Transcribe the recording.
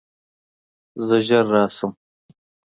زه ژر راشم.